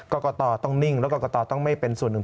กรกตต้องนิ่งแล้วกรกตต้องไม่เป็นส่วนหนึ่ง